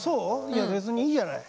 いや別にいいじゃない。